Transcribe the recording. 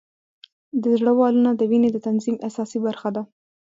د زړه والونه د وینې د تنظیم اساسي برخه ده.